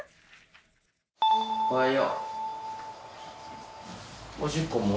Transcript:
おはよう。